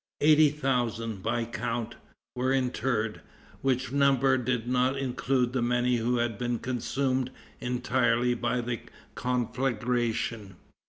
Eighty thousand, by count, were interred, which number did not include the many who had been consumed entirely by the conflagration.